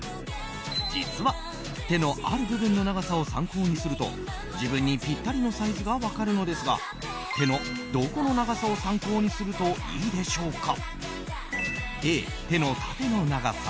実は、手のある部分の長さを参考にすると自分にぴったりのサイズが分かるのですが手のどこの長さを参考にするといいでしょうか。